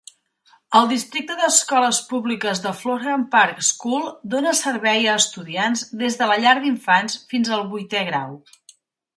El districte d'escoles públiques de Florham Park School dona servei a estudiants des de la llar d'infants fins al vuitè grau.